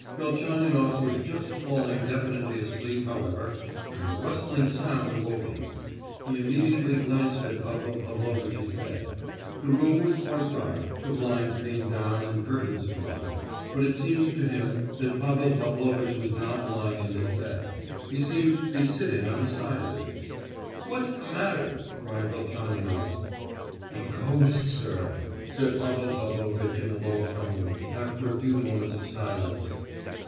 Velchaninoff was just falling definitely asleep, however, when a rustling sound awoke him. He immediately glanced at Pavel Pavlovitch's bed. The room was quite dark, the blinds being down and curtains drawn; but it seemed to him that Pavel Pavlovitch was not lying in his bed; he seemed to be sitting on the side of it. "What's the matter?" cried Velchaninoff. "A ghost, sir," said Pavel Pavlovitch, in a low tone, after a few moments of silence.